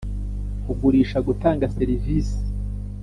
Kugurisha gutanga serivisi